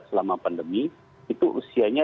selama pandemi itu usianya